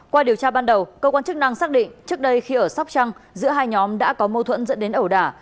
qua điều tra ban đầu cơ quan chức năng xác định trước đây khi ở sóc trăng giữa hai nhóm đã có mâu thuẫn dẫn đến ẩu đả